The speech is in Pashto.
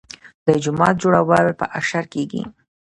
د جومات جوړول په اشر کیږي.